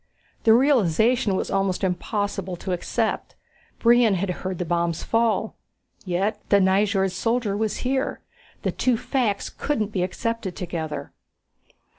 The realization was almost impossible to accept. Brion had heard the bombs fall. Yet the Nyjord soldier was here. The two facts couldn't be accepted together.